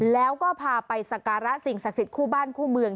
แล้วก็พาไปสการะสิ่งศักดิ์สิทธิคู่บ้านคู่เมือง